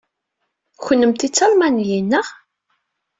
Kennemti d Talmaniyin, naɣ?